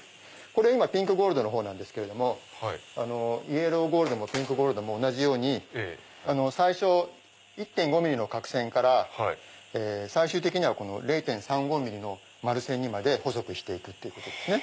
これピンクゴールドのほうですけどイエローゴールドもピンクゴールドも同じように最初１．５ｍｍの角線から最終的には０．３５ｍｍの丸線にまで細くして行くっていうことですね。